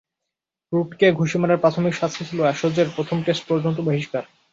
রুটকে ঘুষি মারার প্রাথমিক শাস্তি ছিল অ্যাশজের প্রথম টেস্ট পর্যন্ত বহিষ্কার।